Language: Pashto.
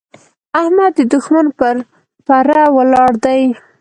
احمد د دوښمن پر پره ولاړ دی.